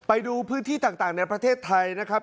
ไปดูพื้นที่ต่างในประเทศไทยนะครับ